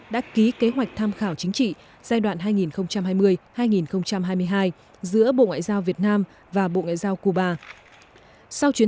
đã ký kế hoạch tham khảo chính trị giai đoạn hai nghìn hai mươi hai nghìn hai mươi hai giữa bộ ngoại giao việt nam và bộ ngoại giao cuba